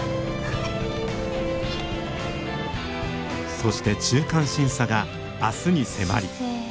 そして中間審査が明日に迫り。